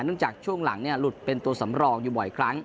จากช่วงหลังหลุดเป็นตัวสำรองอยู่บ่อยครั้ง